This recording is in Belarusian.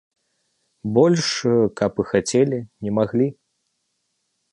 Больш каб і хацелі, не маглі.